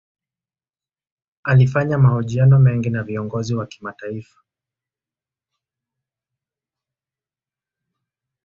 Alifanya mahojiano mengi na viongozi wa kimataifa.